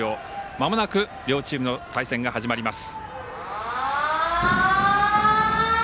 まもなく両チームの対戦が始まります。